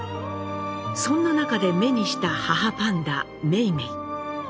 そんな中で目にした母パンダ梅梅。